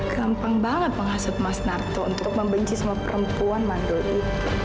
gampang banget menghasut mas narto untuk membenci sama perempuan mandolin